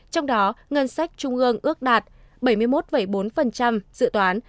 trong đó ngân sách trung ương ước đạt bảy mươi một bốn dự toán